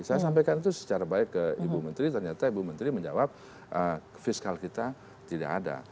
saya sampaikan itu secara baik ke ibu menteri ternyata ibu menteri menjawab fiskal kita tidak ada